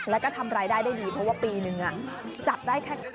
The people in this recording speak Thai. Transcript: แล้วก็ทำรายได้ได้ดีเพราะว่าปีนึงจับได้แค่